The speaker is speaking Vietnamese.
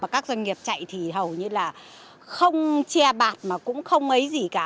các doanh nghiệp chạy thì hầu như là không che bạc mà cũng không mấy gì cả